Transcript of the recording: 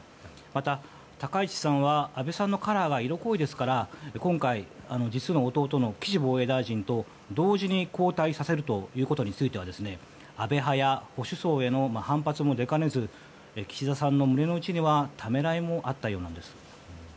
また、高市さんは安倍さんのカラーが色濃いですから今回、実の弟の岸防衛大臣と同時に交代させるということについては安倍派や保守層への反発も出かねず岸田さんの胸の内にはためらいもあったようなんです。